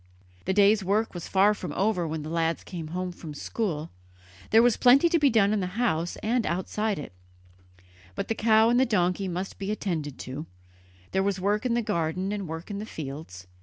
The day's work was far from over when the lads came home from school. There was plenty to be done in the house and outside it. Both the cow and the donkey must be attended to; there was work in the garden and work in the fields.